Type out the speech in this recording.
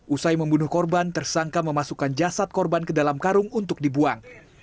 usai membunuh korban tersangka memasukkan jasad korban ke dalam karung untuk dibuang